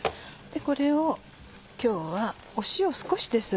これを今日は塩少しです。